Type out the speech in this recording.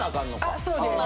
あそうです。